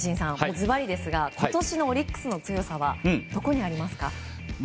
ずばりですが今年のオリックスの強さはどこにありますか？